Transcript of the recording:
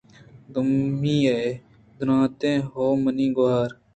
دومی ءَ درّائینت: ھَو منی گْوھار